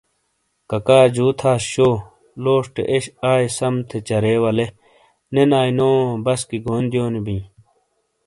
ککا جو تھاس شو لوشٹے ایش آئے سم تھے چرے ولے نے نائی نو بسکی گون دیونو بے ۔